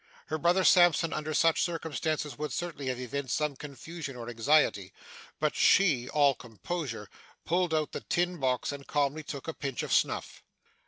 Her brother Sampson under such circumstances would certainly have evinced some confusion or anxiety, but she all composure pulled out the tin box, and calmly took a pinch of snuff.